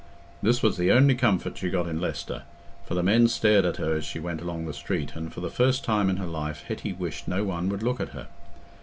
This was the only comfort she got in Leicester, for the men stared at her as she went along the street, and for the first time in her life Hetty wished no one would look at her.